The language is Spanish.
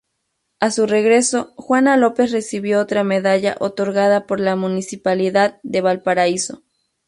A su regreso Juana López recibió otra medalla otorgada por la Municipalidad de Valparaíso.